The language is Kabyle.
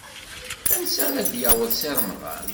Ansa ara d-yaweḍ Si Remḍan?